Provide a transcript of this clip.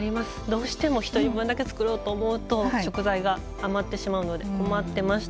どうしても１人分だけ作ろうと思うと食材が余ってしまうので困ってました。